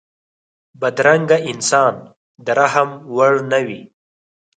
بدرنګه انسان د رحم وړ نه وي